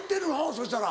そしたら。